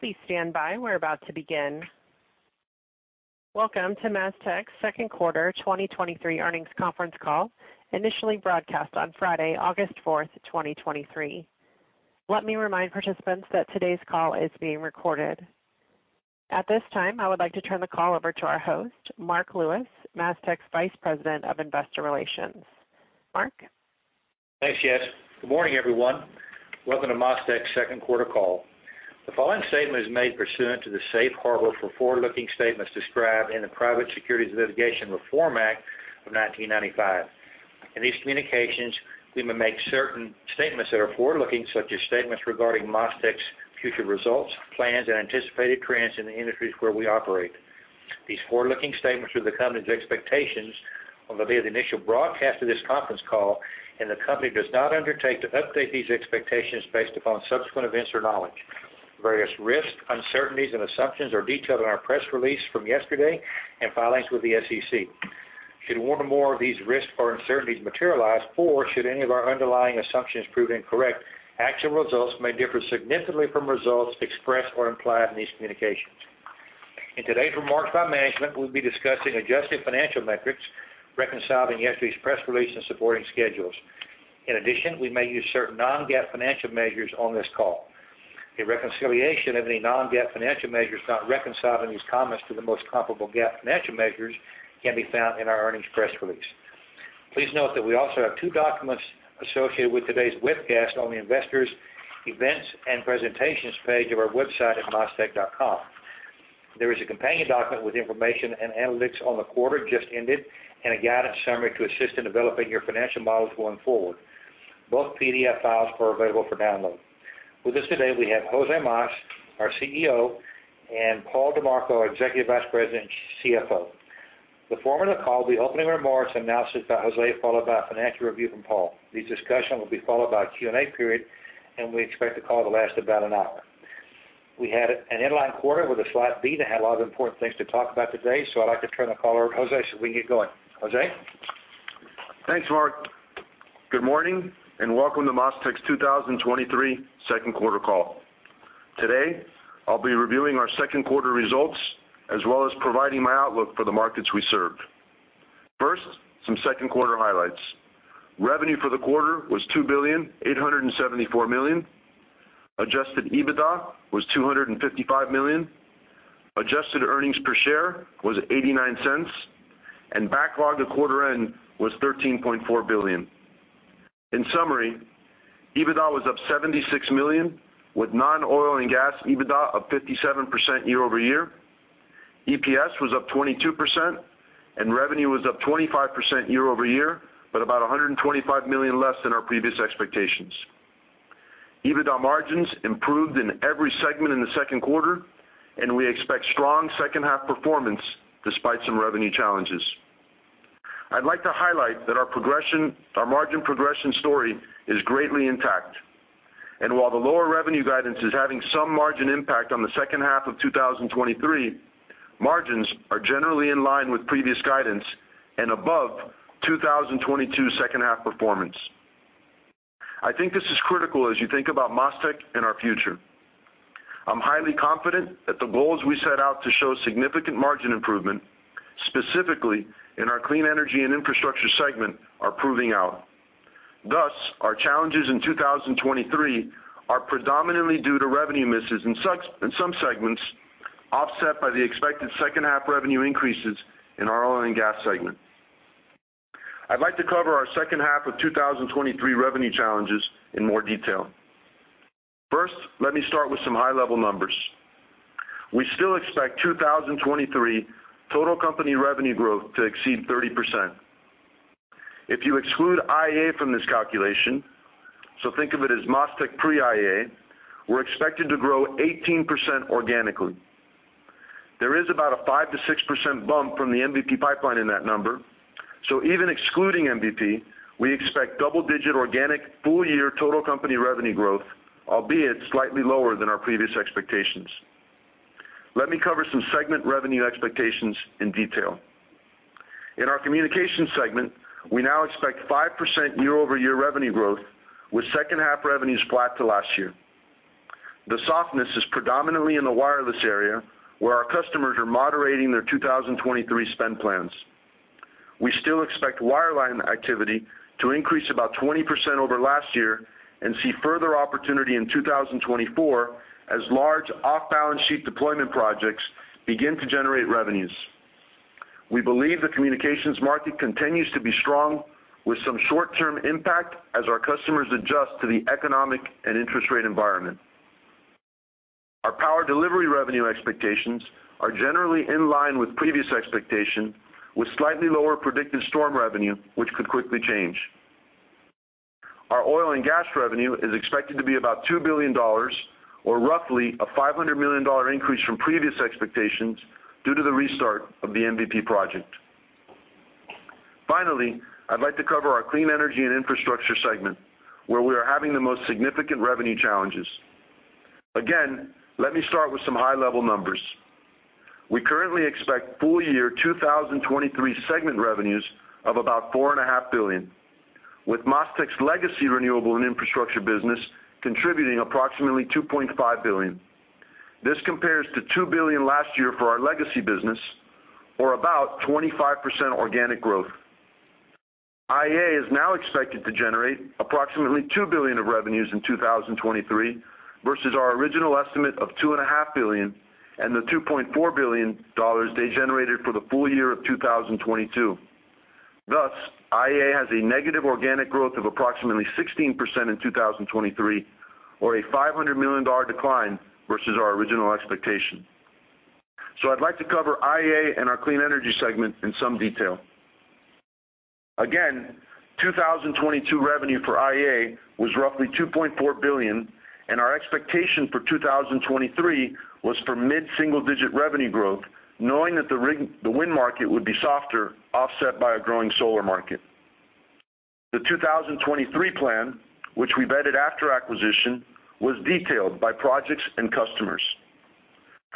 Please stand by. We're about to begin. Welcome to MasTec's Q2 2023 earnings conference call, initially broadcast on Friday, August 4, 2023. Let me remind participants that today's call is being recorded. At this time, I would like to turn the call over to our host, Marc Lewis, MasTec's Vice President of Investor Relations. Marc? Thanks, Jess. Good morning, everyone. Welcome to MasTec's second quarter call. The following statement is made pursuant to the safe harbor for forward-looking statements described in the Private Securities Litigation Reform Act of 1995. In these communications, we may make certain statements that are forward-looking, such as statements regarding MasTec's future results, plans, and anticipated trends in the industries where we operate. These forward-looking statements are the company's expectations on the day of the initial broadcast of this conference call, the company does not undertake to update these expectations based upon subsequent events or knowledge. Various risks, uncertainties, and assumptions are detailed in our press release from yesterday and filings with the SEC. Should one or more of these risks or uncertainties materialize, or should any of our underlying assumptions prove incorrect, actual results may differ significantly from results expressed or implied in these communications. In today's remarks by management, we'll be discussing adjusted financial metrics, reconciling yesterday's press release and supporting schedules. In addition, we may use certain non-GAAP financial measures on this call. A reconciliation of any non-GAAP financial measures not reconciled in these comments to the most comparable GAAP financial measures can be found in our earnings press release. Please note that we also have two documents associated with today's webcast on the Investors Events and Presentations page of our website at mastec.com. There is a companion document with information and analytics on the quarter just ended, and a guidance summary to assist in developing your financial models going forward. Both PDF files are available for download. With us today, we have Jose Mas, our CEO, and Paul DiMarco, our Executive Vice President and CFO. The format of the call will be opening remarks and announcements by Jose, followed by a financial review from Paul. The discussion will be followed by a Q&A period, and we expect the call to last about an hour. We had an in-line quarter with a slight beat and have a lot of important things to talk about today, so I'd like to turn the call over to Jose so we can get going. Jose? Thanks, Mark. Good morning, welcome to MasTec's 2023 second quarter call. Today, I'll be reviewing our second quarter results, as well as providing my outlook for the markets we serve. First, some second quarter highlights. Revenue for the quarter was $2.874 billion. Adjusted EBITDA was $255 million. Adjusted earnings per share was $0.89, backlog at quarter end was $13.4 billion. In summary, EBITDA was up $76 million, with non-oil and gas EBITDA up 57% year-over-year. EPS was up 22%, revenue was up 25% year-over-year, about $125 million less than our previous expectations. EBITDA margins improved in every segment in the second quarter, we expect strong second half performance despite some revenue challenges. I'd like to highlight that our margin progression story is greatly intact, and while the lower revenue guidance is having some margin impact on the second half of 2023, margins are generally in line with previous guidance and above 2022 second half performance. I think this is critical as you think about MasTec and our future. I'm highly confident that the goals we set out to show significant margin improvement, specifically in our clean energy and infrastructure segment, are proving out. Thus, our challenges in 2023 are predominantly due to revenue misses in some segments, offset by the expected second half revenue increases in our oil and gas segment. I'd like to cover our second half of 2023 revenue challenges in more detail. First, let me start with some high-level numbers. We still expect 2023 total company revenue growth to exceed 30%. If you exclude IEA from this calculation, think of it as MasTec pre-IEA, we're expected to grow 18% organically. There is about a 5%-6% bump from the MVP pipeline in that number. Even excluding MVP, we expect double-digit organic full-year total company revenue growth, albeit slightly lower than our previous expectations. Let me cover some segment revenue expectations in detail. In our communications segment, we now expect 5% year-over-year revenue growth, with second half revenues flat to last year. The softness is predominantly in the wireless area, where our customers are moderating their 2023 spend plans. We still expect wireline activity to increase about 20% over last year and see further opportunity in 2024 as large off-balance sheet deployment projects begin to generate revenues. We believe the communications market continues to be strong, with some short-term impact as our customers adjust to the economic and interest rate environment. Our power delivery revenue expectations are generally in line with previous expectation, with slightly lower predicted storm revenue, which could quickly change. Our oil and gas revenue is expected to be about $2 billion, or roughly a $500 million increase from previous expectations due to the restart of the MVP project. Finally, I'd like to cover our clean energy and infrastructure segment, where we are having the most significant revenue challenges. Again, let me start with some high-level numbers. We currently expect full year 2023 segment revenues of about $4.5 billion, with MasTec's legacy renewable and infrastructure business contributing approximately $2.5 billion. This compares to $2 billion last year for our legacy business, or about 25% organic growth. IEA is now expected to generate approximately $2 billion of revenues in 2023, versus our original estimate of $2.5 billion and the $2.4 billion they generated for the full year of 2022. Thus, IEA has a negative organic growth of approximately 16% in 2023, or a $500 million decline versus our original expectation. I'd like to cover IEA and our clean energy segment in some detail. Again, 2022 revenue for IEA was roughly $2.4 billion. Our expectation for 2023 was for mid-single-digit revenue growth, knowing that the wind market would be softer, offset by a growing solar market. The 2023 plan, which we vetted after acquisition, was detailed by projects and customers.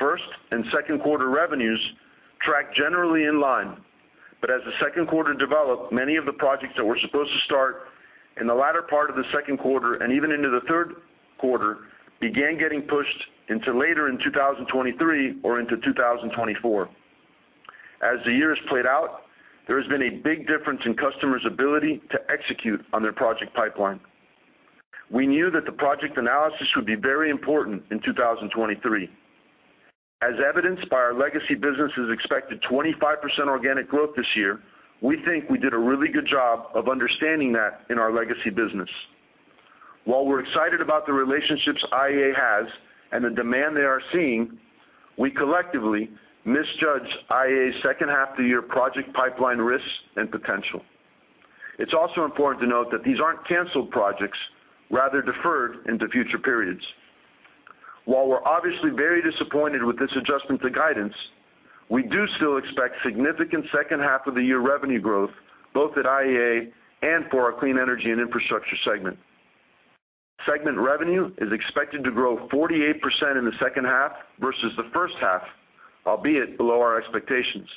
1st and 2nd quarter revenues tracked generally in line. As the 2nd quarter developed, many of the projects that were supposed to start in the latter part of the 2nd quarter and even into the 3rd quarter, began getting pushed into later in 2023 or into 2024. As the years played out, there has been a big difference in customers' ability to execute on their project pipeline. We knew that the project analysis would be very important in 2023. As evidenced by our legacy business's expected 25% organic growth this year, we think we did a really good job of understanding that in our legacy business. While we're excited about the relationships IEA has and the demand they are seeing, we collectively misjudged IEA's second half of the year project pipeline risks and potential. It's also important to note that these aren't canceled projects, rather deferred into future periods. While we're obviously very disappointed with this adjustment to guidance, we do still expect significant second half of the year revenue growth, both at IEA and for our clean energy and infrastructure segment. Segment revenue is expected to grow 48% in the second half versus the first half, albeit below our expectations.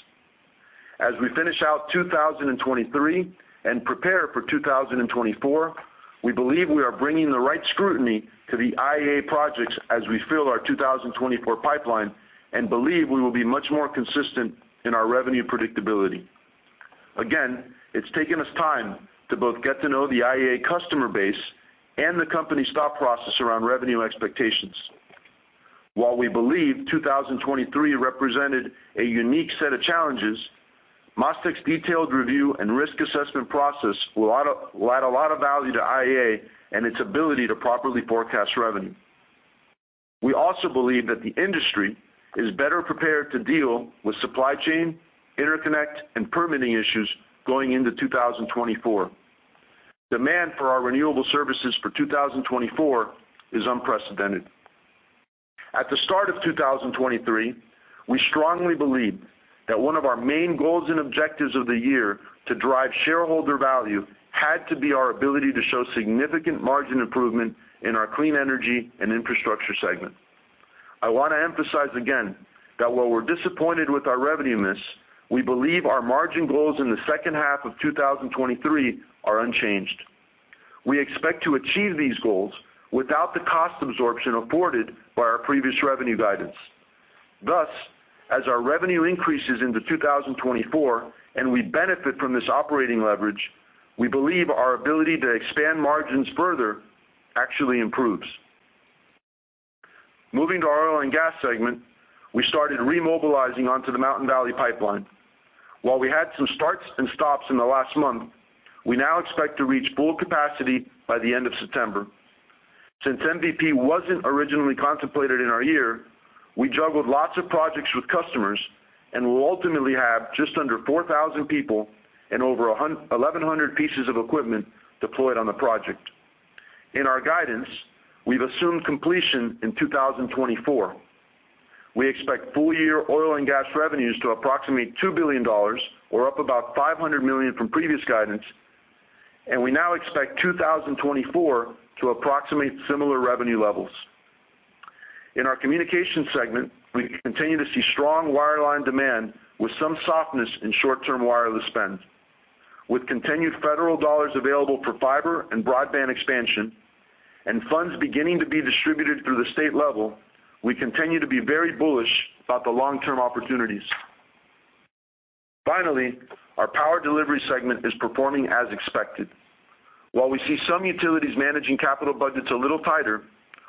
As we finish out 2023 and prepare for 2024, we believe we are bringing the right scrutiny to the IEA projects as we fill our 2024 pipeline and believe we will be much more consistent in our revenue predictability. Again, it's taken us time to both get to know the IEA customer base and the company's thought process around revenue expectations. While we believe 2023 represented a unique set of challenges, MasTec's detailed review and risk assessment process will add a lot of value to IEA and its ability to properly forecast revenue. We also believe that the industry is better prepared to deal with supply chain, interconnect, and permitting issues going into 2024. Demand for our renewable services for 2024 is unprecedented. At the start of 2023, we strongly believed that one of our main goals and objectives of the year to drive shareholder value had to be our ability to show significant margin improvement in our clean energy and infrastructure segment. I want to emphasize again, that while we're disappointed with our revenue miss, we believe our margin goals in the second half of 2023 are unchanged. We expect to achieve these goals without the cost absorption afforded by our previous revenue guidance. As our revenue increases into 2024, and we benefit from this operating leverage, we believe our ability to expand margins further actually improves. Moving to our oil and gas segment, we started remobilizing onto the Mountain Valley Pipeline. While we had some starts and stops in the last month, we now expect to reach full capacity by the end of September. Since MVP wasn't originally contemplated in our year, we juggled lots of projects with customers and will ultimately have just under 4,000 people and over 1,100 pieces of equipment deployed on the project. In our guidance, we've assumed completion in 2024. We expect full year oil and gas revenues to approximate $2 billion, or up about $500 million from previous guidance, and we now expect 2024 to approximate similar revenue levels. In our communication segment, we continue to see strong wireline demand with some softness in short-term wireless spend. With continued federal dollars available for fiber and broadband expansion, and funds beginning to be distributed through the state level, we continue to be very bullish about the long-term opportunities. Finally, our power delivery segment is performing as expected. While we see some utilities managing capital budgets a little tighter,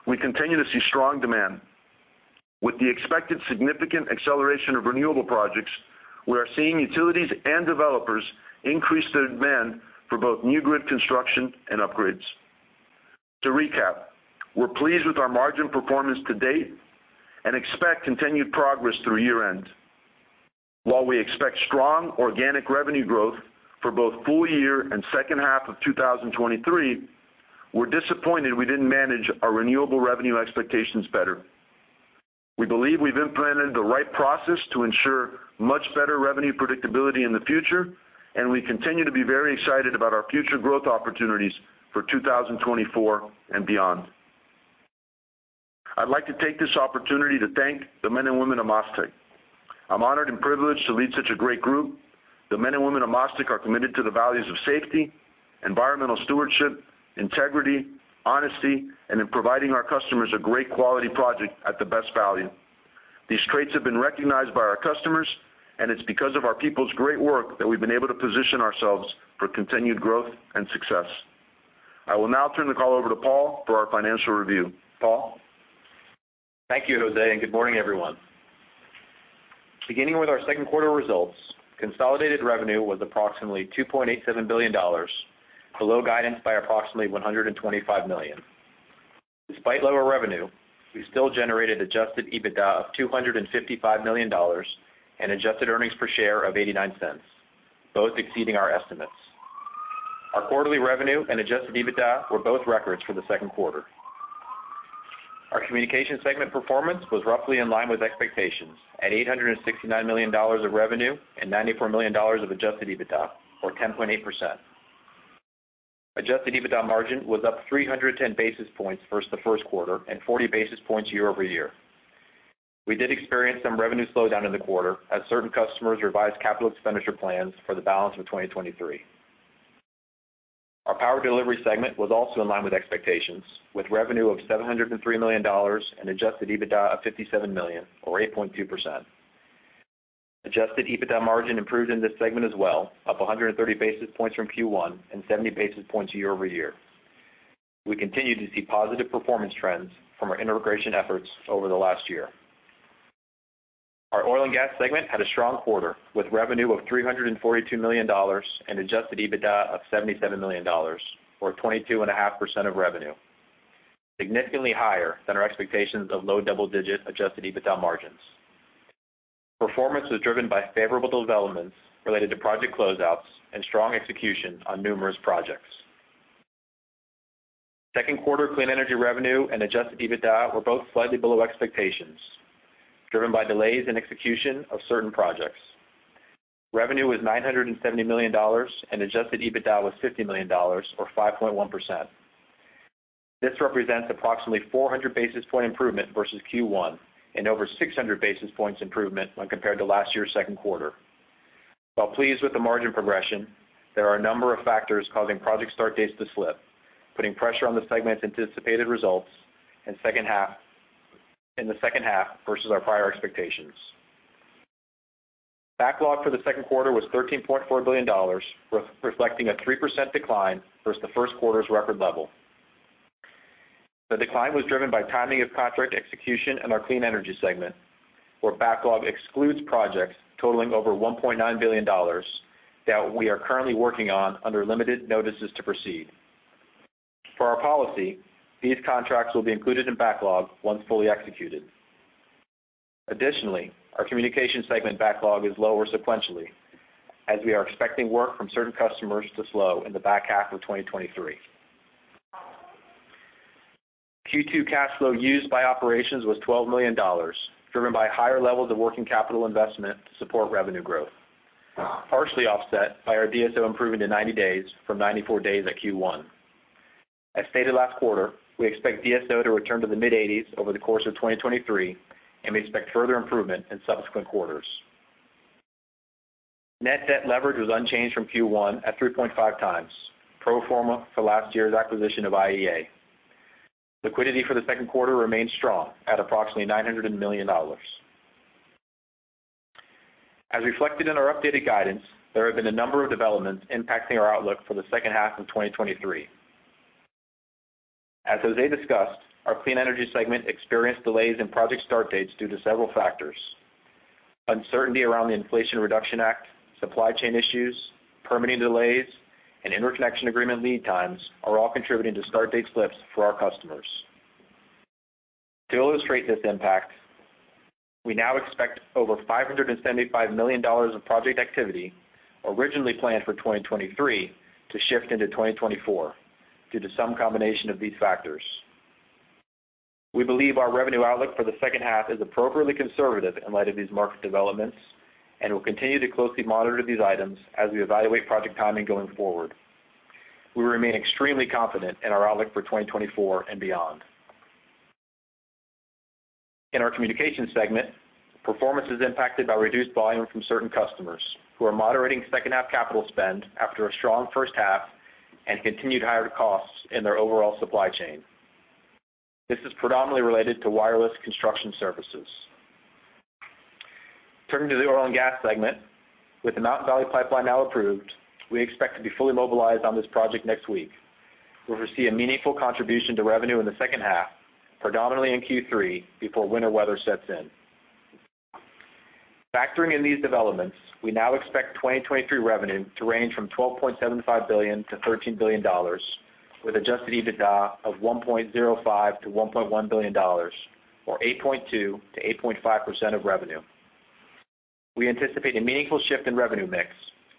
we continue to see strong demand. With the expected significant acceleration of renewable projects, we are seeing utilities and developers increase their demand for both new grid construction and upgrades. To recap, we're pleased with our margin performance to date and expect continued progress through year-end. While we expect strong organic revenue growth for both full year and second half of 2023, we're disappointed we didn't manage our renewable revenue expectations better. We believe we've implemented the right process to ensure much better revenue predictability in the future, and we continue to be very excited about our future growth opportunities for 2024 and beyond. I'd like to take this opportunity to thank the men and women of MasTec. I'm honored and privileged to lead such a great group. The men and women of MasTec are committed to the values of safety, environmental stewardship, integrity, honesty, and in providing our customers a great quality project at the best value. These traits have been recognized by our customers, and it's because of our people's great work that we've been able to position ourselves for continued growth and success. I will now turn the call over to Paul for our financial review. Paul? Thank you, José. Good morning, everyone. Beginning with our second quarter results, consolidated revenue was approximately $2.87 billion, below guidance by approximately $125 million. Despite lower revenue, we still generated adjusted EBITDA of $255 million and adjusted earnings per share of $0.89, both exceeding our estimates. Our quarterly revenue and adjusted EBITDA were both records for the second quarter. Our communication segment performance was roughly in line with expectations, at $869 million of revenue and $94 million of adjusted EBITDA, or 10.8%. Adjusted EBITDA margin was up 310 basis points versus the first quarter and 40 basis points year-over-year. We did experience some revenue slowdown in the quarter as certain customers revised capital expenditure plans for the balance of 2023. Our power delivery segment was also in line with expectations, with revenue of $703 million and adjusted EBITDA of $57 million, or 8.2%. Adjusted EBITDA margin improved in this segment as well, up 130 basis points from Q1 and 70 basis points year-over-year. We continue to see positive performance trends from our integration efforts over the last year. Our oil and gas segment had a strong quarter, with revenue of $342 million and adjusted EBITDA of $77 million, or 22.5% of revenue, significantly higher than our expectations of low double-digit adjusted EBITDA margins. Performance was driven by favorable developments related to project closeouts and strong execution on numerous projects. Second quarter clean energy revenue and adjusted EBITDA were both slightly below expectations, driven by delays in execution of certain projects. Revenue was $970 million, and adjusted EBITDA was $50 million, or 5.1%. This represents approximately 400 basis point improvement versus Q1 and over 600 basis points improvement when compared to last year's second quarter. While pleased with the margin progression, there are a number of factors causing project start dates to slip, putting pressure on the segment's anticipated results in the second half versus our prior expectations. Backlog for the second quarter was $13.4 billion, reflecting a 3% decline versus the first quarter's record level. The decline was driven by timing of contract execution in our clean energy segment, where backlog excludes projects totaling over $1.9 billion that we are currently working on under limited notices to proceed. Per our policy, these contracts will be included in backlog once fully executed. Additionally, our communication segment backlog is lower sequentially, as we are expecting work from certain customers to slow in the back half of 2023. Q2 cash flow used by operations was $12 million, driven by higher levels of working capital investment to support revenue growth, partially offset by our DSO improving to 90 days from 94 days at Q1. As stated last quarter, we expect DSO to return to the mid-80s over the course of 2023, and we expect further improvement in subsequent quarters. Net debt leverage was unchanged from Q1 at 3.5x, pro forma for last year's acquisition of IEA. Liquidity for the second quarter remained strong at approximately $900 million. As reflected in our updated guidance, there have been a number of developments impacting our outlook for the second half of 2023. As Jose discussed, our clean energy segment experienced delays in project start dates due to several factors. Uncertainty around the Inflation Reduction Act, supply chain issues, permitting delays, and interconnection agreement lead times are all contributing to start date slips for our customers. To illustrate this impact, we now expect over $575 million of project activity originally planned for 2023 to shift into 2024 due to some combination of these factors. We believe our revenue outlook for the second half is appropriately conservative in light of these market developments, and we'll continue to closely monitor these items as we evaluate project timing going forward. We remain extremely confident in our outlook for 2024 and beyond. In our communication segment, performance is impacted by reduced volume from certain customers who are moderating second half capital spend after a strong first half and continued higher costs in their overall supply chain. This is predominantly related to wireless construction services. Turning to the oil and gas segment, with the Mountain Valley Pipeline now approved, we expect to be fully mobilized on this project next week. We'll see a meaningful contribution to revenue in the second half, predominantly in Q3, before winter weather sets in. Factoring in these developments, we now expect 2023 revenue to range from $12.75 billion-$13 billion, with adjusted EBITDA of $1.05 billion-$1.1 billion, or 8.2%-8.5% of revenue. We anticipate a meaningful shift in revenue mix,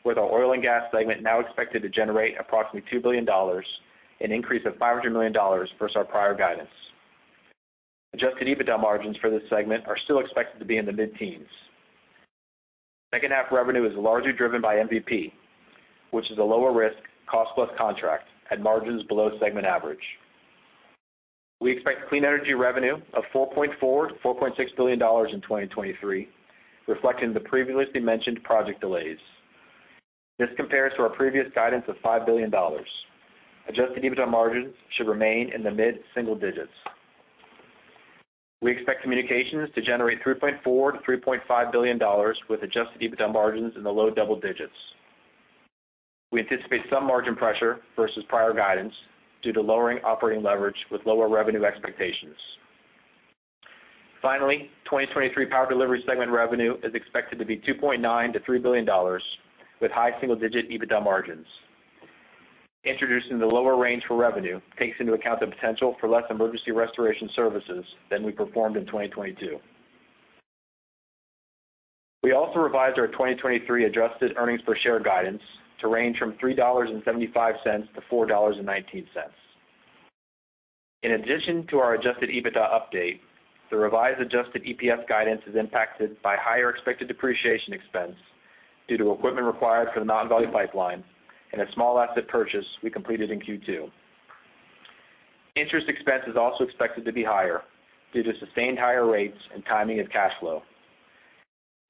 with our oil and gas segment now expected to generate approximately $2 billion, an increase of $500 million versus our prior guidance. Adjusted EBITDA margins for this segment are still expected to be in the mid-teens. Second half revenue is largely driven by MVP, which is a lower risk, cost-plus contract, at margins below segment average. We expect clean energy revenue of $4.4 billion-$4.6 billion in 2023, reflecting the previously mentioned project delays. This compares to our previous guidance of $5 billion. Adjusted EBITDA margins should remain in the mid-single digits. We expect communications to generate $3.4 billion-$3.5 billion, with adjusted EBITDA margins in the low double digits. We anticipate some margin pressure versus prior guidance due to lowering operating leverage with lower revenue expectations. Finally, 2023 power delivery segment revenue is expected to be $2.9 billion-$3 billion, with high single-digit EBITDA margins. Introducing the lower range for revenue takes into account the potential for less emergency restoration services than we performed in 2022. We also revised our 2023 adjusted earnings per share guidance to range from $3.75-$4.19. In addition to our adjusted EBITDA update, the revised adjusted EPS guidance is impacted by higher expected depreciation expense due to equipment required for the Mountain Valley Pipeline and a small asset purchase we completed in Q2. Interest expense is also expected to be higher due to sustained higher rates and timing of cash flow.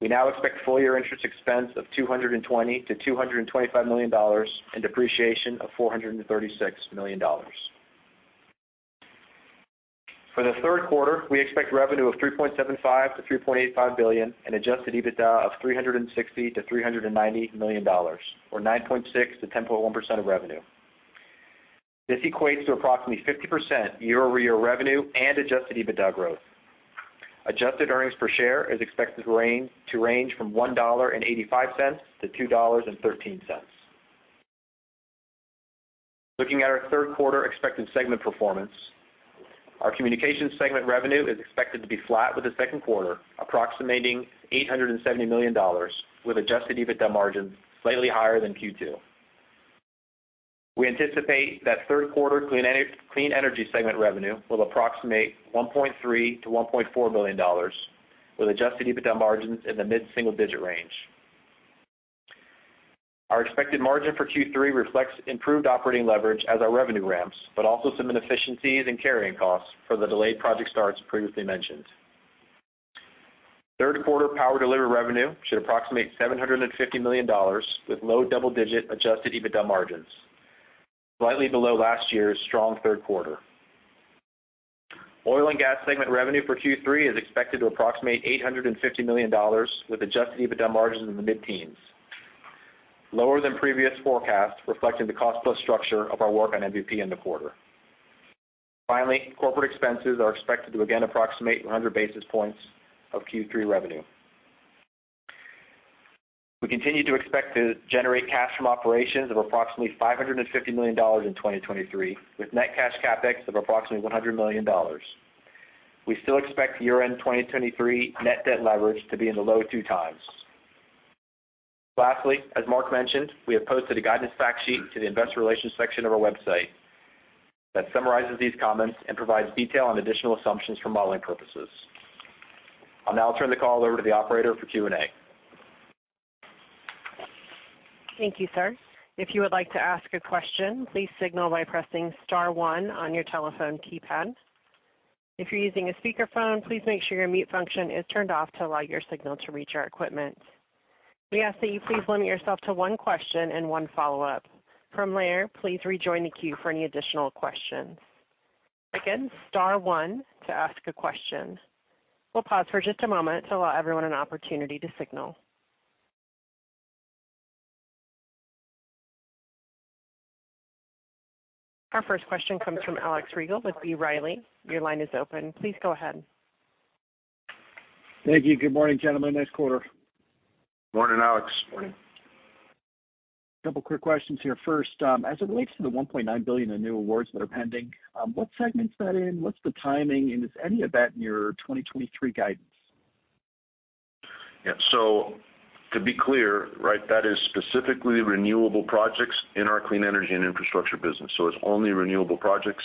We now expect full-year interest expense of $220 million-$225 million and depreciation of $436 million. For the third quarter, we expect revenue of $3.75 billion-$3.85 billion and adjusted EBITDA of $360 million-$390 million, or 9.6%-10.1% of revenue. This equates to approximately 50% year-over-year revenue and adjusted EBITDA growth. Adjusted earnings per share is expected to range from $1.85-$2.13. Looking at our third quarter expected segment performance, our communications segment revenue is expected to be flat with the second quarter, approximating $870 million, with adjusted EBITDA margins slightly higher than Q2. We anticipate that third quarter clean energy segment revenue will approximate $1.3 billion-$1.4 billion, with adjusted EBITDA margins in the mid-single-digit range. Our expected margin for Q3 reflects improved operating leverage as our revenue ramps, but also some inefficiencies and carrying costs for the delayed project starts previously mentioned. Third quarter power delivery revenue should approximate $750 million, with low double-digit adjusted EBITDA margins, slightly below last year's strong third quarter. Oil and gas segment revenue for Q3 is expected to approximate $850 million, with adjusted EBITDA margins in the mid-teens, lower than previous forecasts, reflecting the cost-plus structure of our work on MVP in the quarter. Finally, corporate expenses are expected to again approximate 100 basis points of Q3 revenue. We continue to expect to generate cash from operations of approximately $550 million in 2023, with net cash CapEx of approximately $100 million. We still expect year-end 2023 net debt leverage to be in the low 2 times. Lastly, as Marc mentioned, we have posted a guidance fact sheet to the investor relations section of our website that summarizes these comments and provides detail on additional assumptions for modeling purposes. I'll now turn the call over to the operator for Q&A. Thank you, sir. If you would like to ask a question, please signal by pressing star one on your telephone keypad. If you're using a speakerphone, please make sure your mute function is turned off to allow your signal to reach our equipment. We ask that you please limit yourself to one question and one follow-up. From there, please rejoin the queue for any additional questions. Again, star one to ask a question. We'll pause for just a moment to allow everyone an opportunity to signal. Our first question comes from Alex Rygiel with B. Riley. Your line is open. Please go ahead. Thank you. Good morning, gentlemen. Nice quarter. Morning, Alex. Morning. Couple quick questions here. First, as it relates to the $1.9 billion in new awards that are pending, what segment is that in? What's the timing, and is any of that in your 2023 guidance? Yeah. To be clear, right, that is specifically renewable projects in our clean energy and infrastructure business, so it's only renewable projects.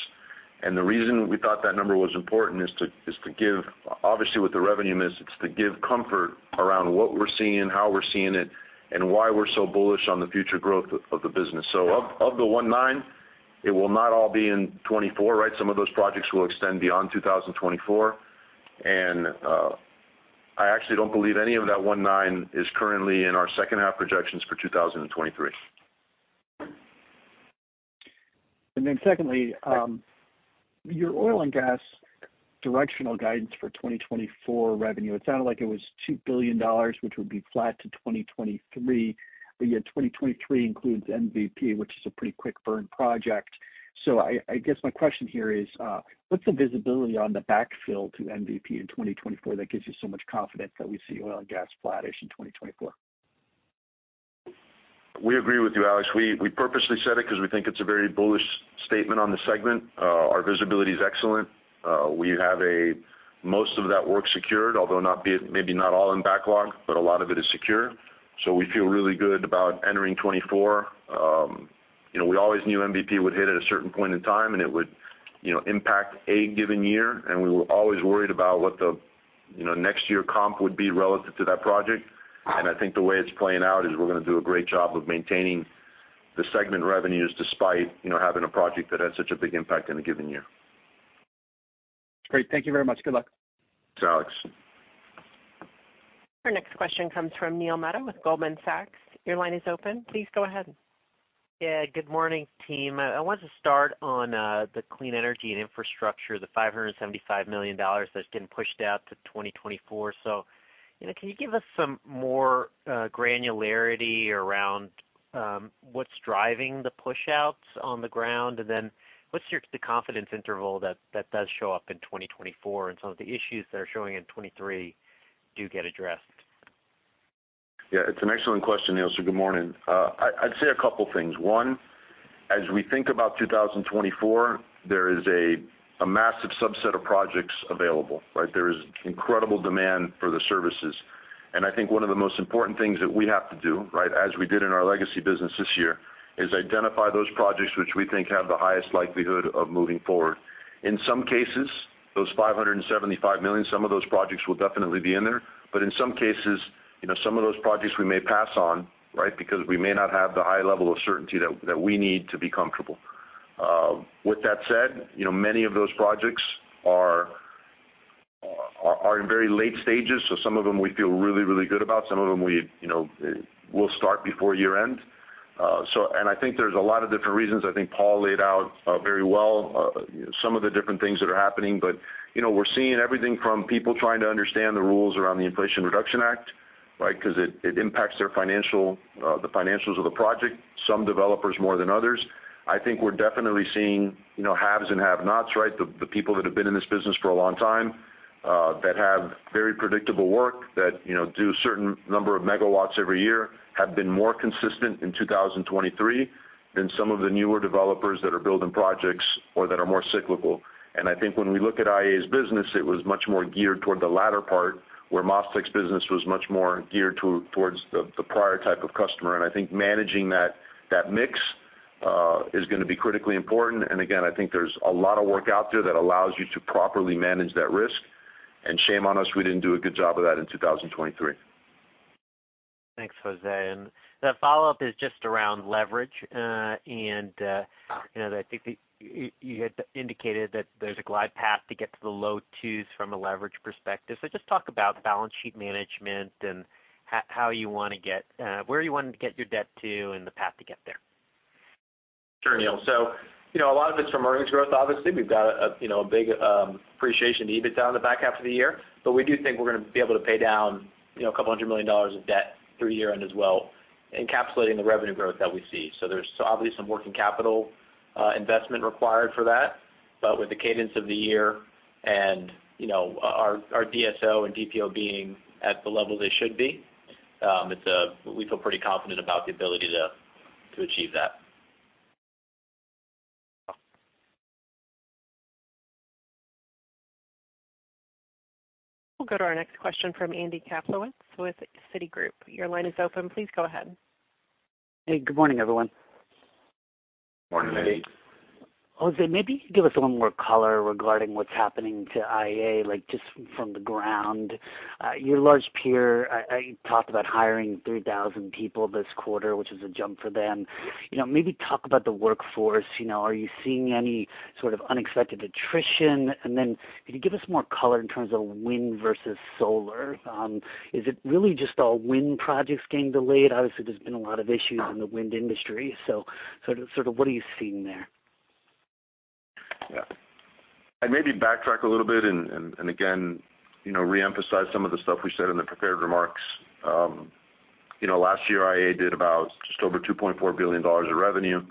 The reason we thought that number was important is to, is to give, obviously, with the revenue miss, it's to give comfort around what we're seeing, how we're seeing it, and why we're so bullish on the future growth of, of the business. Of, of the one nine, it will not all be in 2024, right? Some of those projects will extend beyond 2024. I actually don't believe any of that one nine is currently in our second half projections for 2023. Then secondly, your oil and gas directional guidance for 2024 revenue, it sounded like it was $2 billion, which would be flat to 2023. Yet 2023 includes MVP, which is a pretty quick burn project. I, I guess my question here is, what's the visibility on the backfill to MVP in 2024 that gives you so much confidence that we see oil and gas flattish in 2024? We agree with you, Alex. We, we purposely said it because we think it's a very bullish statement on the segment. Our visibility is excellent. We have most of that work secured, although maybe not all in backlog, but a lot of it is secure. We feel really good about entering 2024. you know, we always knew MVP would hit at a certain point in time, and it would, you know, impact a given year, and we were always worried about what the, you know, next year comp would be relative to that project. I think the way it's playing out is we're gonna do a great job of maintaining the segment revenues, despite, you know, having a project that had such a big impact in a given year. Great. Thank you very much. Good luck. Thanks, Alex. Our next question comes from Neil Mehta with Goldman Sachs. Your line is open. Please go ahead. Yeah, good morning, team. I wanted to start on the clean energy and infrastructure, the $575 million that's getting pushed out to 2024. You know, can you give us some more granularity around what's driving the pushouts on the ground? What's your-- the confidence interval that, that does show up in 2024 and some of the issues that are showing in 2023 do get addressed? Yeah, it's an excellent question, Neil. Good morning. I'd say a couple things. One, as we think about 2024, there is a massive subset of projects available, right? There is incredible demand for the services, I think one of the most important things that we have to do, right, as we did in our legacy business this year, is identify those projects which we think have the highest likelihood of moving forward. In some cases, those $575 million, some of those projects will definitely be in there, In some cases, you know, some of those projects we may pass on, right? We may not have the high level of certainty that we need to be comfortable. With that said, you know, many of those projects are, are, are in very late stages, so some of them we feel really, really good about. Some of them we, you know, we'll start before year-end. I think there's a lot of different reasons. I think Paul laid out, very well, some of the different things that are happening, but, you know, we're seeing everything from people trying to understand the rules around the Inflation Reduction Act, right? Because it, it impacts their financial, the financials of the project, some developers more than others. I think we're definitely seeing, you know, haves and have-nots, right? The people that have been in this business for a long time, that have very predictable work, that, you know, do a certain number of megawatts every year, have been more consistent in 2023 than some of the newer developers that are building projects or that are more cyclical. I think when we look at IEA's business, it was much more geared toward the latter part, where MasTec's business was much more geared towards the prior type of customer. I think managing that, that mix, is gonna be critically important. Again, I think there's a lot of work out there that allows you to properly manage that risk, and shame on us, we didn't do a good job of that in 2023. Thanks, Jose. The follow-up is just around leverage. And, you know, I think you, you had indicated that there's a glide path to get to the low twos from a leverage perspective. Just talk about balance sheet management and how, how you wanna get, where you want to get your debt to and the path to get there. Sure, Neil. You know, a lot of it's from earnings growth, obviously. We've got a, you know, a big appreciation to EBITDA in the back half of the year, we do think we're gonna be able to pay down, you know, $200 million of debt through year-end as well, encapsulating the revenue growth that we see. There's obviously some working capital investment required for that. With the cadence of the year and, you know, our, our DSO and DPO being at the level they should be, we feel pretty confident about the ability to achieve that. Well. We'll go to our next question from Andy Kaplowitz with Citigroup. Your line is open. Please go ahead. Hey, good morning, everyone. Morning, Andy. Jose, maybe you could give us a little more color regarding what's happening to IEA, like, just from the ground. Your large peer, talked about hiring 3,000 people this quarter, which is a jump for them. You know, maybe talk about the workforce. You know, are you seeing any sort of unexpected attrition? Could you give us more color in terms of wind versus solar? Is it really just all wind projects getting delayed? Obviously, there's been a lot of issues in the wind industry. Sort of, sort of what are you seeing there? Yeah. I'd maybe backtrack a little bit and, and, again, you know, reemphasize some of the stuff we said in the prepared remarks. You know, last year, IEA did about just over $2.4 billion of revenue.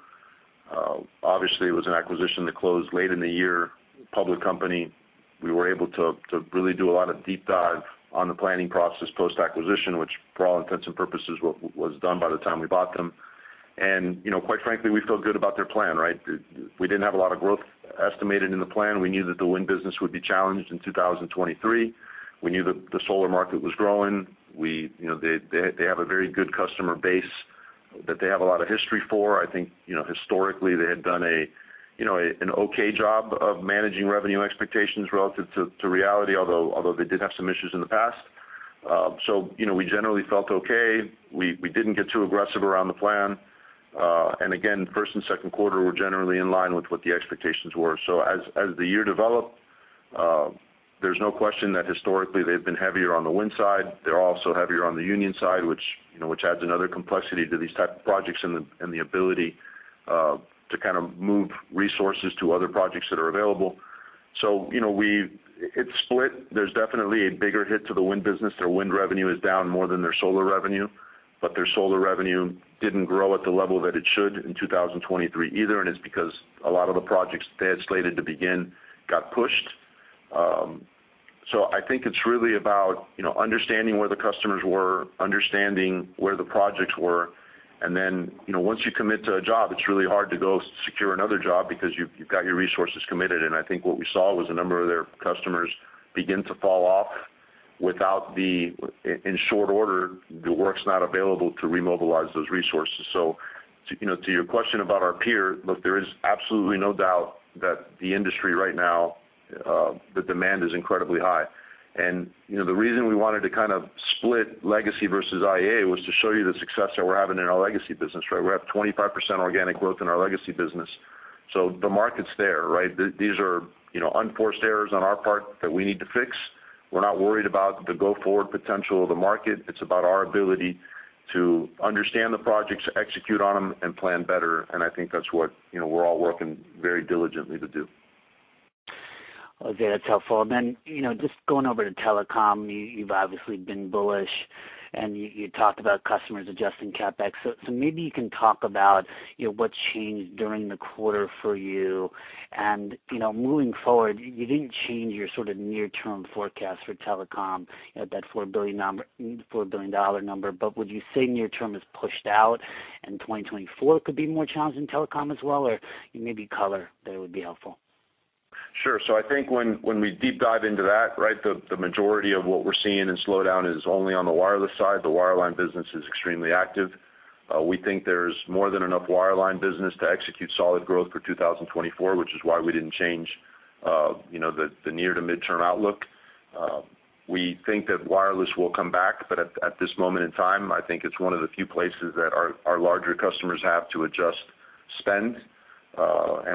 Obviously, it was an acquisition that closed late in the year. Public company, we were able to, to really do a lot of deep dive on the planning process post-acquisition, which, for all intents and purposes, was done by the time we bought them. You know, quite frankly, we feel good about their plan, right? We didn't have a lot of growth estimated in the plan. We knew that the wind business would be challenged in 2023. We knew that the solar market was growing. We, you know, they, they, they have a very good customer base that they have a lot of history for. I think, you know, historically, they had done a, you know, an okay job of managing revenue expectations relative to, to reality, although, although they did have some issues in the past. You know, we generally felt okay. We, we didn't get too aggressive around the plan. Again, first and second quarter were generally in line with what the expectations were. As, as the year developed, there's no question that historically they've been heavier on the wind side. They're also heavier on the union side, which, you know, which adds another complexity to these type of projects and the, and the ability to kind of move resources to other projects that are available. You know, we-- it's split. There's definitely a bigger hit to the wind business. Their wind revenue is down more than their solar revenue. Their solar revenue didn't grow at the level that it should in 2023 either. It's because a lot of the projects they had slated to begin got pushed. I think it's really about, you know, understanding where the customers were, understanding where the projects were, and then, you know, once you commit to a job, it's really hard to go secure another job because you've, you've got your resources committed. I think what we saw was a number of their customers begin to fall off. without the, in short order, the work's not available to remobilize those resources. You know, to your question about our peer, look, there is absolutely no doubt that the industry right now, the demand is incredibly high. You know, the reason we wanted to kind of split legacy versus IEA was to show you the success that we're having in our legacy business, right? We have 25% organic growth in our legacy business. The market's there, right? These are, you know, unforced errors on our part that we need to fix. We're not worried about the go-forward potential of the market. It's about our ability to understand the projects, execute on them, and plan better, and I think that's what, you know, we're all working very diligently to do. Jose, that's helpful. You know, just going over to telecom, you, you've obviously been bullish, and you, you talked about customers adjusting CapEx. So maybe you can talk about, you know, what changed during the quarter for you. You know, moving forward, you, you didn't change your sort of near-term forecast for telecom at that $4 billion $4 billion dollar number. Would you say near term is pushed out and 2024 could be more challenging in telecom as well? You maybe color, that would be helpful? Sure. I think when, when we deep dive into that, right, the, the majority of what we're seeing in slowdown is only on the wireless side. The wireline business is extremely active. We think there's more than enough wireline business to execute solid growth for 2024, which is why we didn't change, you know, the, the near to mid-term outlook. We think that wireless will come back, but at, at this moment in time, I think it's one of the few places that our, our larger customers have to adjust spend.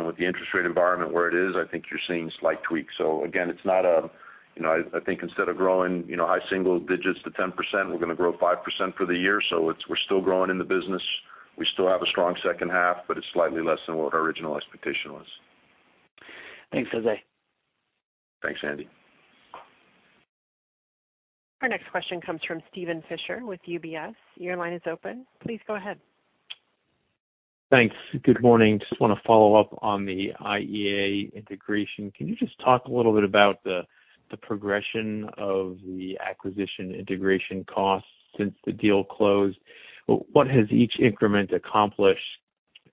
With the interest rate environment where it is, I think you're seeing slight tweaks. Again, it's not a... You know, I, I think instead of growing, you know, high single digits to 10%, we're gonna grow 5% for the year. We're still growing in the business. We still have a strong second half, but it's slightly less than what our original expectation was. Thanks, Jose. Thanks, Andy. Our next question comes from Steven Fisher with UBS. Your line is open. Please go ahead. Thanks. Good morning. Just wanna follow up on the IEA integration. Can you just talk a little bit about the, the progression of the acquisition integration costs since the deal closed? What has each increment accomplished?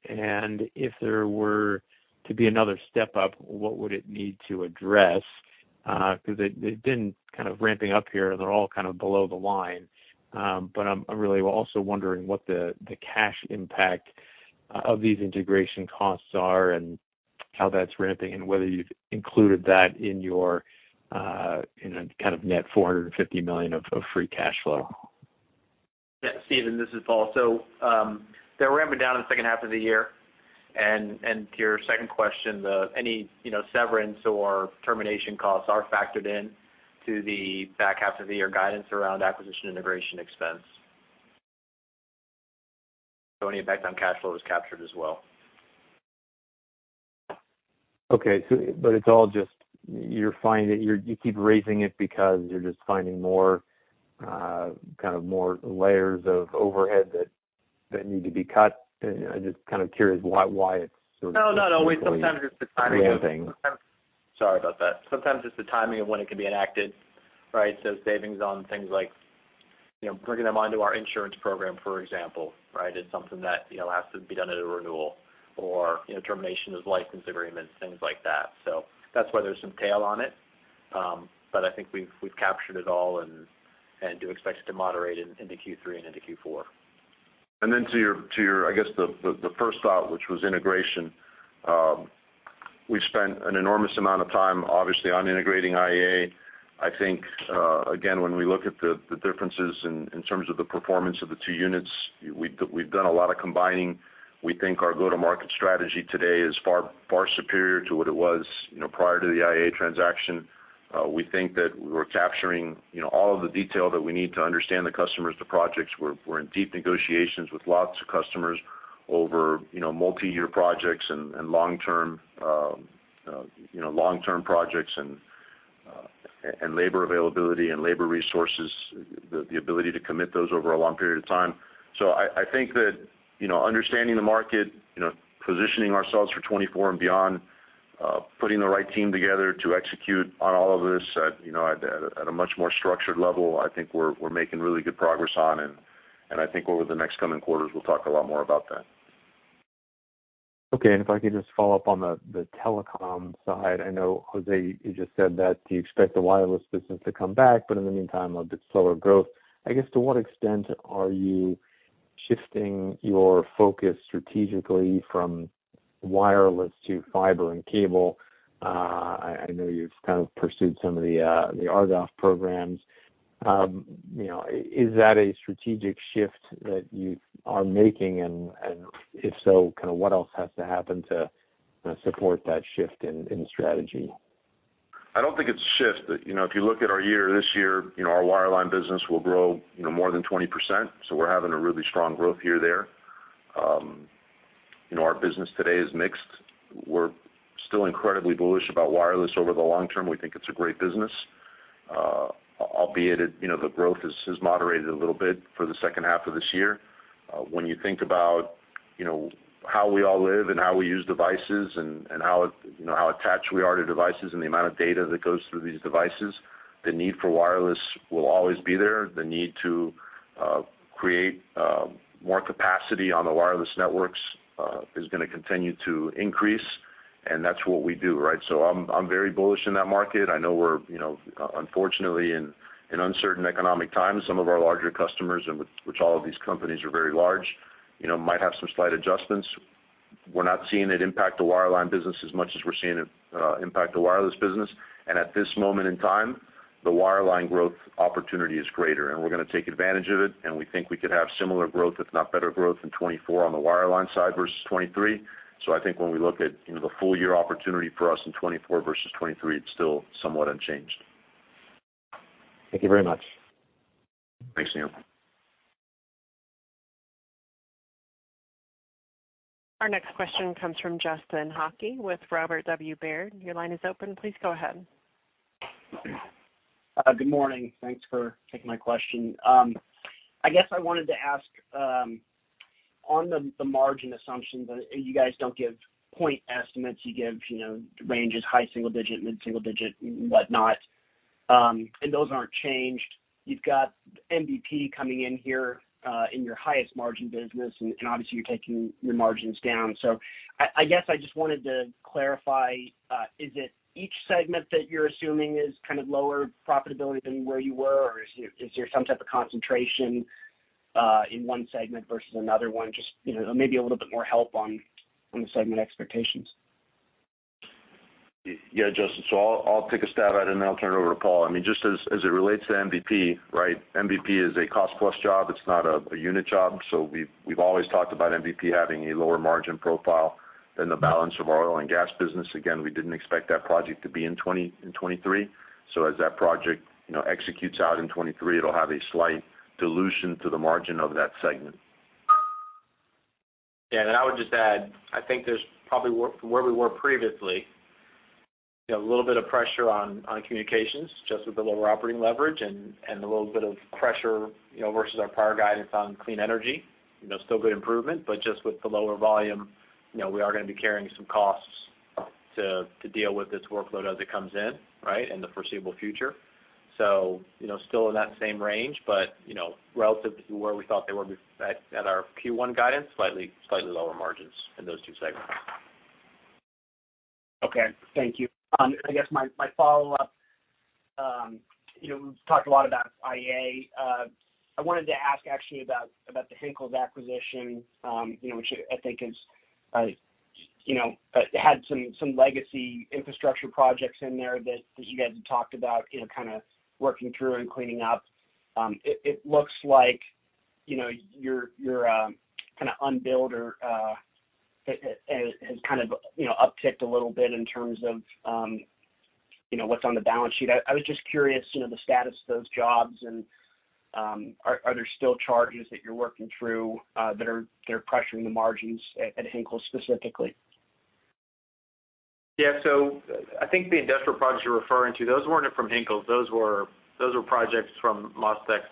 If there were to be another step up, what would it need to address? Because they've, they've been kind of ramping up here, and they're all kind of below the line. I'm really also wondering what the, the cash impact of these integration costs are and how that's ramping, and whether you've included that in your in a kind of net $450 million of free cash flow. Yeah, Steven, this is Paul. They're ramping down in the second half of the year. And to your second question, any, you know, severance or termination costs are factored in to the back half of the year guidance around acquisition integration expense. Any impact on cash flow is captured as well. It's all just, you're finding, you keep raising it because you're just finding more, kind of more layers of overhead that, that need to be cut? I'm just kind of curious why, why it's sort of... No, not always. Sometimes it's the timing of- ramping. Sorry about that. Sometimes it's the timing of when it can be enacted, right? Savings on things like, you know, bringing them onto our insurance program, for example, right? It's something that, you know, has to be done at a renewal or, you know, termination of license agreements, things like that. That's why there's some tail on it. But I think we've, we've captured it all and, and do expect it to moderate in, into Q3 and into Q4. Then to your, to your, I guess, the, the, the first thought, which was integration. We've spent an enormous amount of time, obviously, on integrating IEA. I think, again, when we look at the, the differences in, in terms of the performance of the two units, we've we've done a lot of combining. We think our go-to-market strategy today is far, far superior to what it was, you know, prior to the IEA transaction. We think that we're capturing, you know, all of the detail that we need to understand the customers, the projects. We're, we're in deep negotiations with lots of customers over, you know, multiyear projects and, and long-term, long-term projects and labor availability and labor resources, the, the ability to commit those over a long period of time. I, I think that, you know, understanding the market, you know, positioning ourselves for 2024 and beyond, putting the right team together to execute on all of this at, you know, at a, at a much more structured level, I think we're, we're making really good progress on, and, and I think over the next coming quarters, we'll talk a lot more about that. Okay. If I could just follow up on the, the telecom side. I know, Jose, you just said that you expect the wireless business to come back, but in the meantime, a bit slower growth. I guess, to what extent are you shifting your focus strategically from wireless to fiber and cable? I, I know you've kind of pursued some of the, the RDOF programs. You know, is that a strategic shift that you are making? If so, kind of what else has to happen to support that shift in, in strategy? I don't think it's a shift. You know, if you look at our year, this year, you know, our wireline business will grow, you know, more than 20%, so we're having a really strong growth year there. You know, our business today is mixed. We're still incredibly bullish about wireless over the long term. We think it's a great business, albeit it, you know, the growth has, has moderated a little bit for the second half of this year. When you think about, you know, how we all live and how we use devices and, and how, you know, how attached we are to devices and the amount of data that goes through these devices, the need for wireless will always be there. The need to create more capacity on the wireless networks is gonna continue to increase.... That's what we do, right? I'm, I'm very bullish in that market. I know we're, you know, unfortunately, in, in uncertain economic times, some of our larger customers, and which all of these companies are very large, you know, might have some slight adjustments. We're not seeing it impact the wireline business as much as we're seeing it impact the wireless business. At this moment in time, the wireline growth opportunity is greater, and we're going to take advantage of it, and we think we could have similar growth, if not better growth, in 2024 on the wireline side versus 2023. I think when we look at, you know, the full year opportunity for us in 2024 versus 2023, it's still somewhat unchanged. Thank you very much. Thanks, Neil. Our next question comes from Justin Hauke with Robert W. Baird. Your line is open. Please go ahead. Good morning. Thanks for taking my question. I guess I wanted to ask on the margin assumptions, you guys don't give point estimates. You give, you know, ranges, high single-digit, mid-single-digit, whatnot. Those aren't changed. You've got MVP coming in here in your highest margin business, and obviously, you're taking your margins down. I guess I just wanted to clarify, is it each segment that you're assuming is kind of lower profitability than where you were? Is your some type of concentration in one segment versus another one? Just, you know, maybe a little bit more help on the segment expectations. Yeah, Justin. I'll, I'll take a stab at it, and then I'll turn it over to Paul. I mean, just as, as it relates to MVP, right? MVP is a cost-plus job. It's not a, a unit job. We've, we've always talked about MVP having a lower margin profile than the balance of our oil and gas business. Again, we didn't expect that project to be in 2023. As that project, you know, executes out in 2023, it'll have a slight dilution to the margin of that segment. Yeah, I would just add, I think there's probably, where we were previously, a little bit of pressure on, on communications, just with the lower operating leverage and, and a little bit of pressure, you know, versus our prior guidance on clean energy. You know, still good improvement, but just with the lower volume, you know, we are going to be carrying some costs to, to deal with this workload as it comes in, right, in the foreseeable future. You know, still in that same range, but, you know, relative to where we thought they were at, at our Q1 guidance, slightly, slightly lower margins in those two segments. Okay, thank you. I guess my, my follow-up, you know, we've talked a lot about IEA. I wanted to ask actually about, about the Henkels acquisition, you know, which I think is, you know, had some, some legacy infrastructure projects in there that, that you guys had talked about, you know, kind of working through and cleaning up. It, it looks like, you know, your, your, kind of unbilled or, has, has, kind of, you know, upticked a little bit in terms of, you know, what's on the balance sheet. I, I was just curious, you know, the status of those jobs and, are, are there still charges that you're working through, that are, they're pressuring the margins at, at Henkels specifically? Yeah, I think the industrial projects you're referring to, those weren't from Henkels. Those were, those were projects from MasTec's,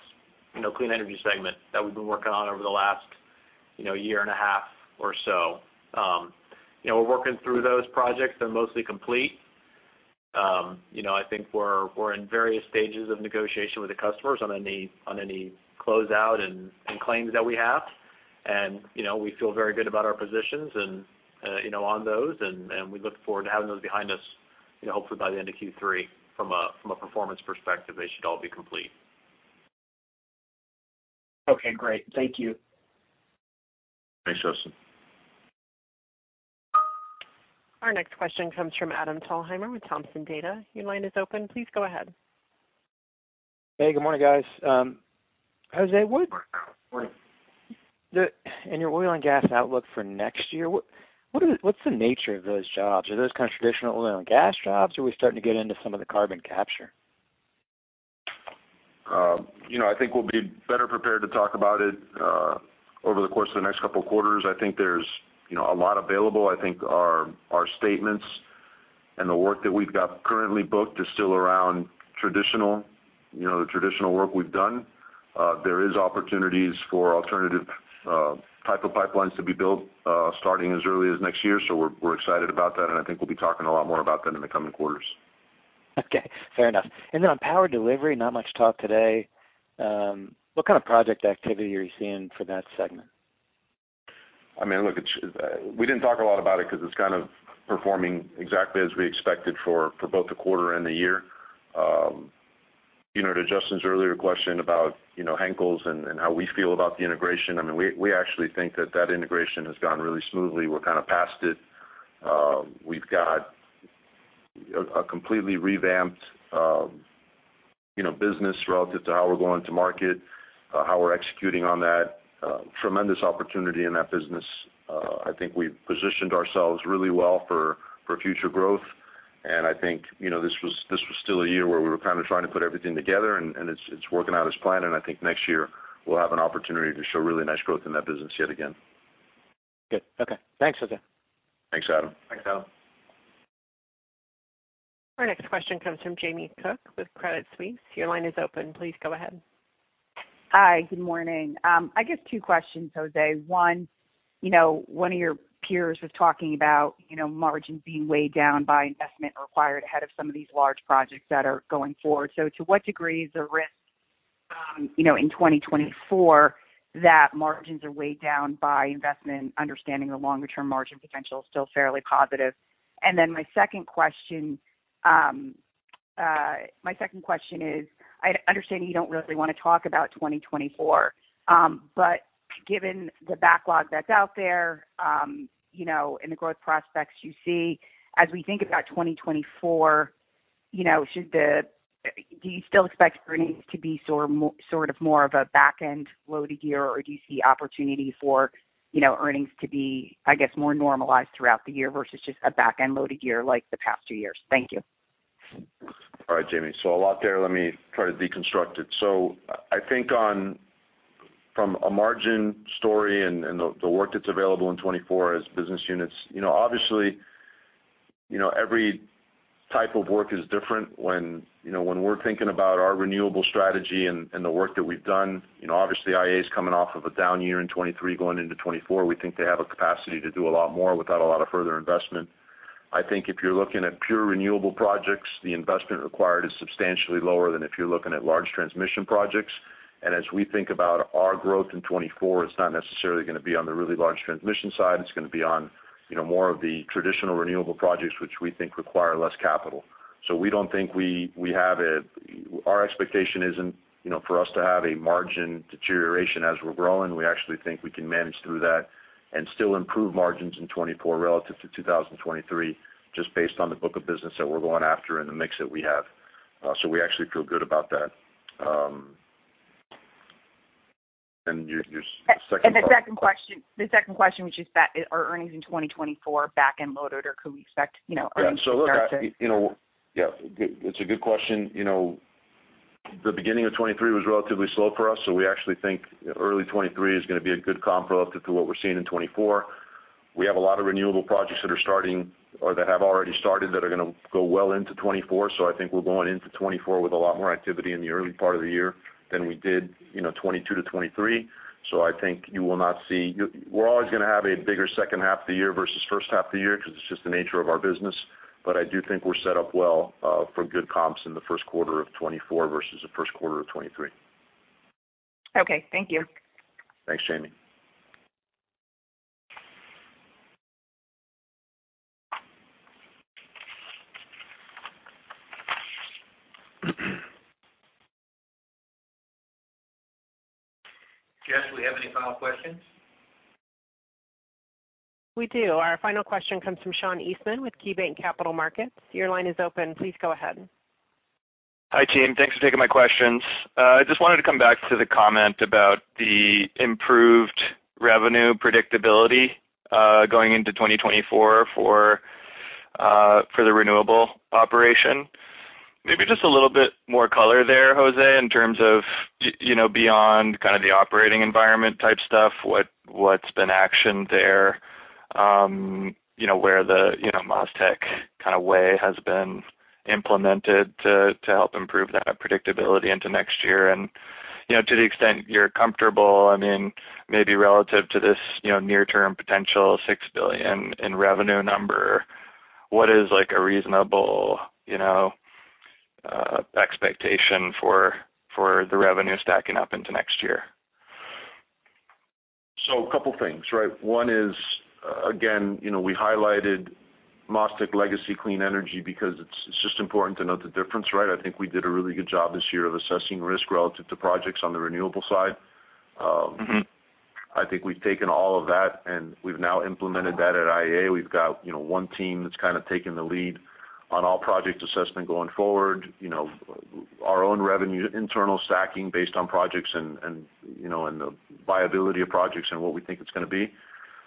you know, clean energy segment that we've been working on over the last, you know, year and a half or so. You know, we're working through those projects, they're mostly complete. You know, I think we're, we're in various stages of negotiation with the customers on any, on any closeout and, and claims that we have. You know, we feel very good about our positions and, you know, on those, and, and we look forward to having those behind us, you know, hopefully by the end of Q3. From a, from a performance perspective, they should all be complete. Okay, great. Thank you. Thanks, Justin. Our next question comes from Adam Thalhimer with Thompson Davis. Your line is open. Please go ahead. Hey, good morning, guys. Jose, Good morning. In your oil and gas outlook for next year, what's the nature of those jobs? Are those kind of traditional oil and gas jobs, or are we starting to get into some of the carbon capture? You know, I think we'll be better prepared to talk about it, over the course of the next couple of quarters. I think there's, you know, a lot available. I think our, our statements and the work that we've got currently booked is still around traditional, you know, the traditional work we've done. There is opportunities for alternative, type of pipelines to be built, starting as early as next year. We're, we're excited about that, and I think we'll be talking a lot more about that in the coming quarters. Okay, fair enough. Then on power delivery, not much talk today. What kind of project activity are you seeing for that segment? I mean, look, it's, we didn't talk a lot about it because it's kind of performing exactly as we expected for, for both the quarter and the year. You know, to Justin's earlier question about, you know, Henkels and, and how we feel about the integration, I mean, we, we actually think that that integration has gone really smoothly. We're kind of past it. We've got a, a completely revamped, you know, business relative to how we're going to market, how we're executing on that. Tremendous opportunity in that business. I think we've positioned ourselves really well for, for future growth, and I think, you know, this was, this was still a year where we were kind of trying to put everything together, and, and it's, it's working out as planned. I think next year we'll have an opportunity to show really nice growth in that business yet again. Good. Okay. Thanks, Jose. Thanks, Adam. Thanks, Adam. Our next question comes from Jamie Cook with Credit Suisse. Your line is open. Please go ahead. Hi, good morning. I guess 2 questions, Jose. One, you know, one of your peers was talking about, you know, margins being weighed down by investment required ahead of some of these large projects that are going forward. To what degree is the risk?... you know, in 2024, that margins are weighed down by investment, understanding the longer-term margin potential is still fairly positive. My second question is, I understand you don't really want to talk about 2024, given the backlog that's out there, you know, and the growth prospects you see, as we think about 2024, you know, do you still expect earnings to be sort, sort of more of a back-end-loaded year, or do you see opportunity for, you know, earnings to be, I guess, more normalized throughout the year versus just a back-end-loaded year like the past 2 years? Thank you. All right, Jamie. A lot there. Let me try to deconstruct it. I think from a margin story and, and the, the work that's available in 2024 as business units, you know, obviously, you know, every type of work is different. When, you know, we're thinking about our renewable strategy and, and the work that we've done, you know, obviously, IEA is coming off of a down year in 2023. Going into 2024, we think they have a capacity to do a lot more without a lot of further investment. I think if you're looking at pure renewable projects, the investment required is substantially lower than if you're looking at large transmission projects. As we think about our growth in 2024, it's not necessarily going to be on the really large transmission side. It's going to be on, you know, more of the traditional renewable projects, which we think require less capital. We don't think we, we have a... Our expectation isn't, you know, for us to have a margin deterioration as we're growing. We actually think we can manage through that and still improve margins in 2024 relative to 2023, just based on the book of business that we're going after and the mix that we have. We actually feel good about that. And your, your second part? The second question, the second question, which is back, are earnings in 2024 back-end loaded, or could we expect, you know, earnings to start to-? Yeah. Look, I, you know, yeah, it's a good question. You know, the beginning of 2023 was relatively slow for us, we actually think early 2023 is going to be a good comp relative to what we're seeing in 2024. We have a lot of renewable projects that are starting or that have already started that are going to go well into 2024. I think we're going into 2024 with a lot more activity in the early part of the year than we did, you know, 2022 to 2023. I think you will not see... We're always going to have a bigger second half of the year versus first half of the year because it's just the nature of our business, I do think we're set up well for good comps in the first quarter of 2024 versus the first quarter of 2023. Okay. Thank you. Thanks, Jamie. Jess, do we have any final questions? We do. Our final question comes from Sean Eastman with KeyBanc Capital Markets. Your line is open. Please go ahead. Hi, team. Thanks for taking my questions. I just wanted to come back to the comment about the improved revenue predictability, going into 2024 for, for the renewable operation. Maybe just a little bit more color there, Jose, in terms of you know, beyond kind of the operating environment type stuff, what, what's been actioned there, you know, where the, MasTec kind of way has been implemented to, to help improve that predictability into next year? You know, to the extent you're comfortable, I mean, maybe relative to this, you know, near-term potential $6 billion in revenue number, what is, like, a reasonable, you know, expectation for, for the revenue stacking up into next year? A couple things, right? One is, again, you know, we highlighted MasTec legacy clean energy because it's, it's just important to note the difference, right? I think we did a really good job this year of assessing risk relative to projects on the renewable side. Mm-hmm. I think we've taken all of that, and we've now implemented that at IEA. We've got, you know, one team that's kind of taking the lead on all project assessment going forward. You know, our own revenue, internal stacking based on projects and, and, you know, and the viability of projects and what we think it's going to be.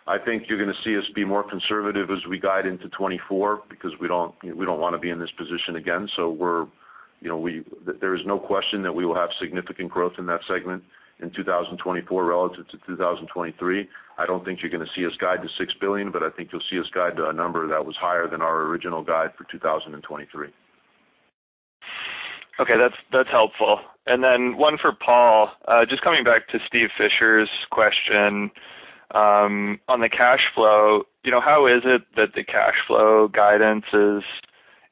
I think you're going to see us be more conservative as we guide into 2024, because we don't, we don't want to be in this position again. We're, you know, there is no question that we will have significant growth in that segment in 2024 relative to 2023. I don't think you're going to see us guide to $6 billion, but I think you'll see us guide to a number that was higher than our original guide for 2023. Okay, that's, that's helpful. Then one for Paul. Just coming back to Steve Fisher's question, on the cash flow. You know, how is it that the cash flow guidance is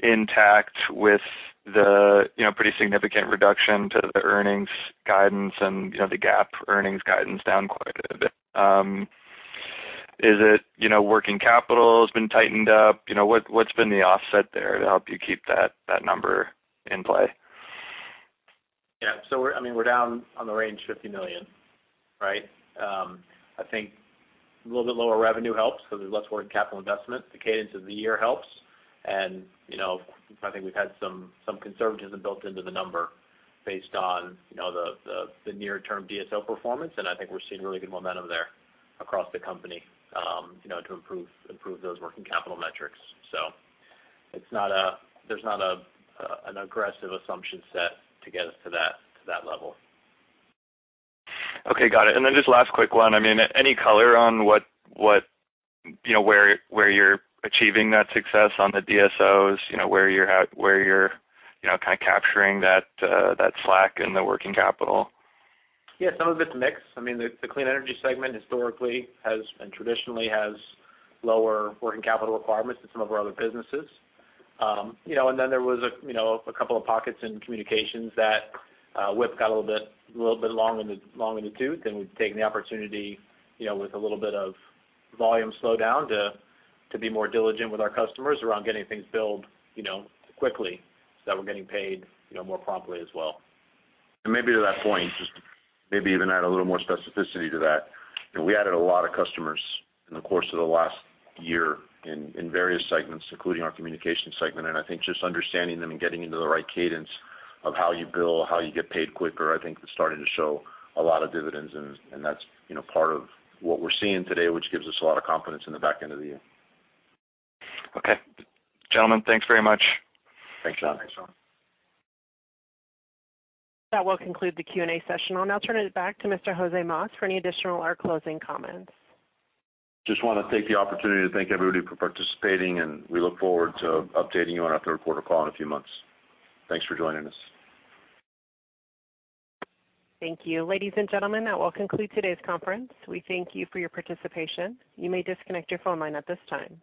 intact with the, you know, pretty significant reduction to the earnings guidance and, you know, the GAAP earnings guidance down quite a bit? Is it, you know, working capital has been tightened up? You know, what, what's been the offset there to help you keep that, that number in play? Yeah. I mean, we're down on the range, $50 million, right? I think a little bit lower revenue helps because there's less working capital investment. The cadence of the year helps. you know, I think we've had some, some conservatism built into the number based on, you know, the, the, the near-term DSO performance, and I think we're seeing really good momentum there across the company, you know, to improve, improve those working capital metrics. There's not a, an aggressive assumption set to get us to that, to that level. Okay, got it. Then just last quick one. I mean, any color on what, what, you know, where, where you're achieving that success on the DSOs, you know, where you're at, where you're, you know, kind of capturing that slack in the working capital? Yeah, some of it's mix. I mean, the, the clean energy segment historically has, and traditionally has, lower working capital requirements than some of our other businesses. You know, and then there was a, you know, a couple of pockets in communications that WIP got a little bit, little bit long in the, long in the tooth, and we've taken the opportunity, you know, with a little bit of volume slowdown, to, to be more diligent with our customers around getting things billed, you know, quickly, so that we're getting paid, you know, more promptly as well. Maybe to that point, just maybe even add a little more specificity to that. You know, we added a lot of customers in the course of the last year in, in various segments, including our communication segment. I think just understanding them and getting into the right cadence of how you bill, how you get paid quicker, I think is starting to show a lot of dividends, and, and that's, you know, part of what we're seeing today, which gives us a lot of confidence in the back end of the year. Okay. Gentlemen, thanks very much. Thanks, Sean. That will conclude the Q&A session. I'll now turn it back to Mr. Jose Mas for any additional or closing comments. Just want to take the opportunity to thank everybody for participating, and we look forward to updating you on our third quarter call in a few months. Thanks for joining us. Thank you. Ladies and gentlemen, that will conclude today's conference. We thank you for your participation. You may disconnect your phone line at this time.